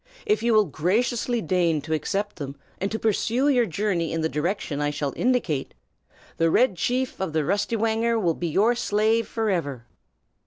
If you will graciously deign to accept them, and to pursue your journey in the direction I shall indicate, the Red Chief of the Rustywhanger will be your slave forever."